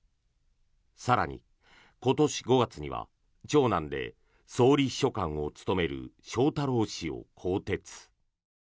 更に、今年５月には長男で総理秘書官を務める翔太郎氏を更迭。